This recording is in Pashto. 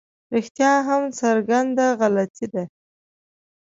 رښتیا هم څرګنده غلطي ده.